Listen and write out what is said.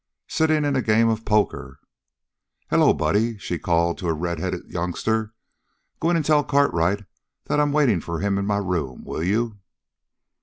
"Sitting in a game of poker." "Hello, Buddy!" she called to a redheaded youngster. "Go in and tell Cartwright that I'm waiting for him in my room, will you?"